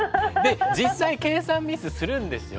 実際計算ミスするんですよ